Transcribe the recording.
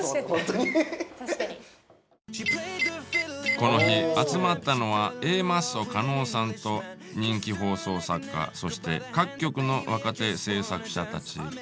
この日集まったのはＡマッソ加納さんと人気放送作家そして各局の若手制作者たち。